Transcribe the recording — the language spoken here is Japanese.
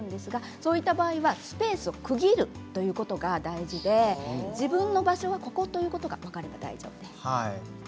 そういうときはスペースを分けるということが大事で自分の場所はここということが分かります。